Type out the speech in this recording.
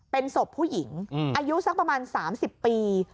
เป็นศพผู้หญิงอายุสักประมาณ๓๐ปี